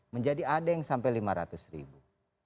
menjadi ada yang sampai lima ratus ribu